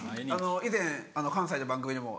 以前関西の番組でも。